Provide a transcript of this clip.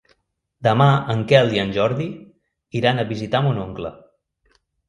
Demà en Quel i en Jordi iran a visitar mon oncle.